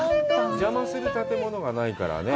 邪魔する建物がないからね。